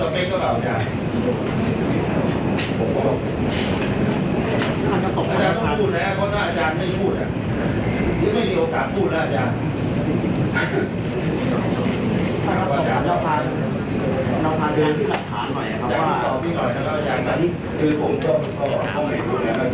ถ้าต้องขอบคุณเจ้าค่ะเจ้าค่ะขอบคุณค่ะขอบคุณค่ะขอบคุณค่ะ